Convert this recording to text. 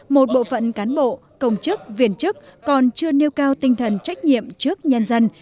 một bộ phận cán bộ công chức viên chức còn chưa nêu cao tinh thần trách nhiệm trước nhân dân